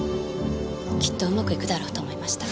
きっと上手くいくだろうと思いました。